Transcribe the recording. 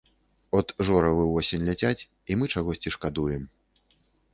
От жоравы ўвосень ляцяць, і мы чагосьці шкадуем.